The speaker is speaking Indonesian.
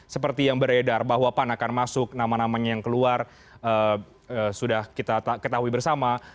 seperti yang beredar bahwa pan akan masuk nama namanya yang keluar sudah kita ketahui bersama